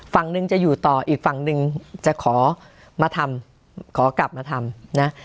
ฝั่งหนึ่งจะอยู่ต่ออีกฝั่งหนึ่งจะขอมาทำขอกลับมาทำนะ